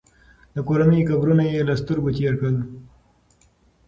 د کورنۍ قبرونه یې له سترګو تېر کړل.